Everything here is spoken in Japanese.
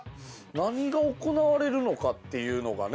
何が行われるのかっていうのがね。